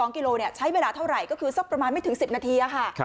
กิโลใช้เวลาเท่าไหร่ก็คือสักประมาณไม่ถึง๑๐นาทีค่ะ